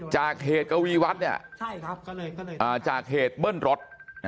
จากเหตุกวีวัฒน์จากเหตุเบิ้ลรถ